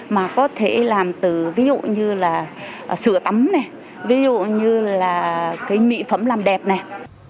mà có thể làm từ ví dụ như là sửa ấm này ví dụ như là cái mỹ phẩm làm đẹp này